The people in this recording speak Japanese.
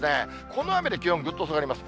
この雨で気温、ぐっと下がります。